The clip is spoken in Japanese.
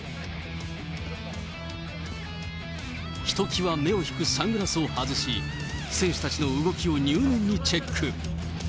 ひときわ目を引くサングラスを外し、選手たちの動きを入念にチェック。